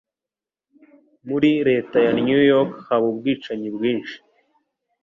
Muri Leta ya new York haba ubwicanyi bwinshi